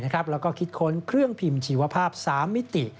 แล้วก็คิดค้นเครื่องพิมพ์ชีวภาพ๓มิติ